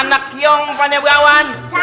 anak yang pandai berawan